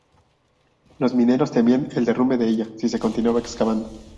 Los mineros temían el derrumbe de ella si se continuaba excavando.